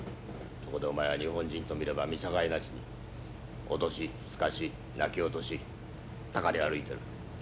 そこでお前は日本人と見れば見境なしに脅しすかし泣き落としたかり歩いてる。